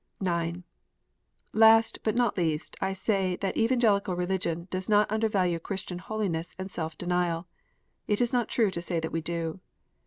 (9) Last, but not least, I say that Evangelical Religion does not undervalue Christian holiness and self denial. It is not true to say that we do.